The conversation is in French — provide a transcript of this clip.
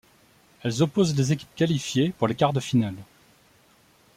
Elles opposent les équipes qualifiées pour les quarts de finale.